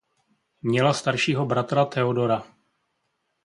Měla staršího bratra Theodora.